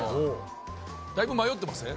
だいぶ迷ってません？